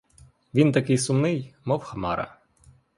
Він такий сумний, мов хмара.